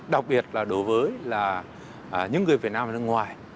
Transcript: đặc biệt là đối với những người việt nam ở nước ngoài